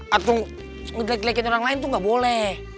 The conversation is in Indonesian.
atau ngedelik delikin orang lain tuh nggak boleh